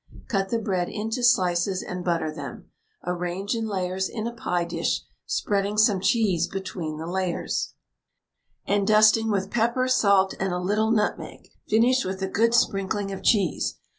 Cut the bread into slices and butter them; arrange in layers in a pie dish, spreading some cheese between the layers, and dusting with pepper, salt, and a little nutmeg. Finish with a good sprinkling of cheese.